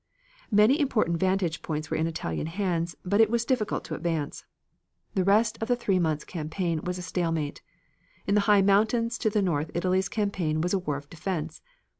Many important vantage points were in Italian hands, but it was difficult to advance. The result of the three months' campaign was a stalemate. In the high mountains to the north Italy's campaign was a war of defense.